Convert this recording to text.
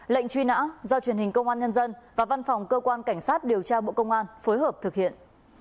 lệnh truy nã do truyền hình công an nhân dân và văn phòng cơ quan cảnh sát điều tra bộ công an phối hợp thực hiện